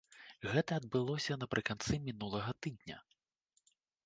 Гэта адбылося напрыканцы мінулага тыдня.